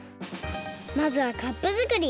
まずはカップ作り！